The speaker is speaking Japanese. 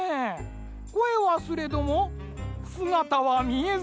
こえはすれどもすがたはみえず。